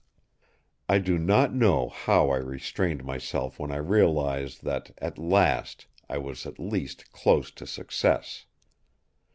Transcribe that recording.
"I do not know how I restrained myself when I realised that, at last, I was at least close to success.